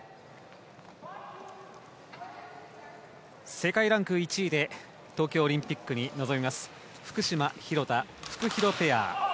世界ランク１位で東京オリンピックに臨みます福島、廣田、フクヒロペア。